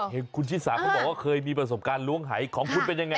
เห็นคุณฉีสคเขาบอกว่าเคยมีผสมการล่วงหายของคุณเป็นอย่างไร